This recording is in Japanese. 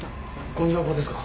ごみ箱ですか？